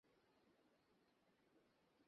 ওটা আমি অর্জন করেছি।